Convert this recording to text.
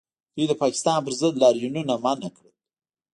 دوی د پاکستان پر ضد لاریونونه منع کړل